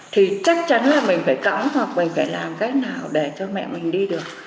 thì chắc chắn là mình phải cõng hoặc mình phải làm cách nào để cho mẹ mình đi được